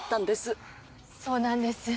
そうなんです。